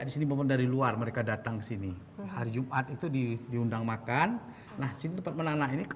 di sini dari luar mereka datang ke sini hari jumat itu diundang makan nah sini tempat menanak ini ke